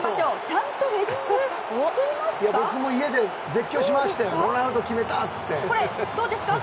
ちゃんとヘディングしていますか？